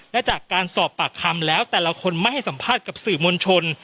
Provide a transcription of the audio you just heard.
และจากการสอบปากคำแล้วแต่ละคนไม่ให้สัมภาษณ์กับสื่อมวลชน